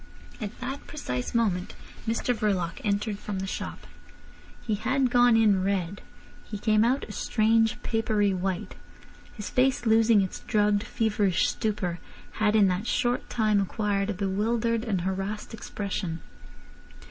At that precise moment Mr Verloc entered from the shop. He had gone in red. He came out a strange papery white. His face, losing its drugged, feverish stupor, had in that short time acquired a bewildered and harassed expression.